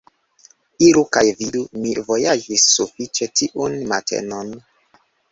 Iru kaj vidu; mi vojaĝis sufiĉe tiun matenon.